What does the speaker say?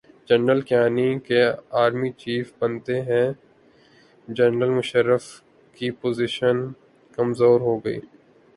General Kayani کے army chief بنتے ہی جنرل مشرف کی پوزیشن کمزورہوگئی۔